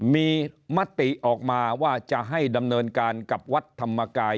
มีมติออกมาว่าจะให้ดำเนินการกับวัดธรรมกาย